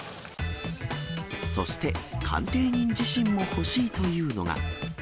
そして、鑑定人自身も欲しいというのが。